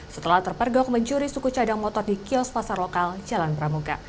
setelah terpergok mencuri suku cadang motor di kios pasar lokal jalan pramuka